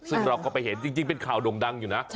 ซึ่งเราก็ไปเห็นจริงเป็นข่าวด่งดังอยู่นะ